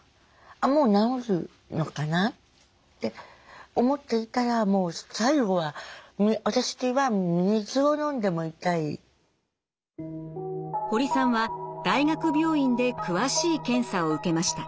もう治るのかなって思っていたらもう最後は私は堀さんは大学病院で詳しい検査を受けました。